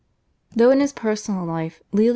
Though in his personal life Leo X.